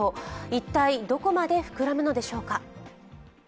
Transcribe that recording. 一体どこまで膨らむのでしょうか。